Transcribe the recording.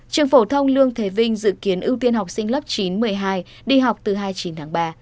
trường phổ thông lương thế vinh dự kiến ưu tiên học sinh lớp chín một mươi hai đi học từ hai mươi chín tháng ba